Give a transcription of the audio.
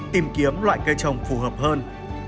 tìm kiếm loại cây trồng phù hợp hơn